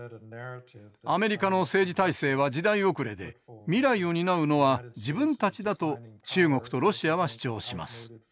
アメリカの政治体制は時代遅れで未来を担うのは自分たちだと中国とロシアは主張します。